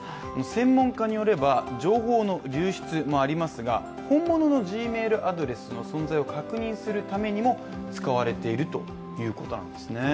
専門家によれば、情報の流出もありますが本物のＧｍａｉｌアドレスを確認するためにも使われているということなんですね。